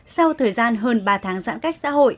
sau thời gian hơn ba tháng giãn cách xã hội